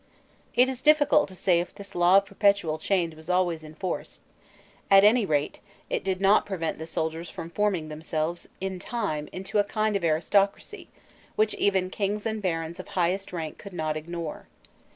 It is difficult to say if this law of perpetual change was always in force; at any rate, it did not prevent the soldiers from forming themselves in time into a kind of aristocracy, which even kings and barons of highest rank could not ignore.